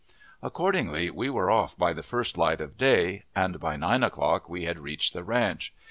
Accordingly, we were off by the first light of day, and by nine o'clock we had reached the ranch.